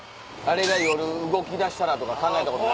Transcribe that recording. あれが夜動きだしたらとか考えたこと。